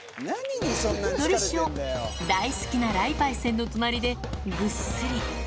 のりしお、大好きな雷パイセンの隣でぐっすり。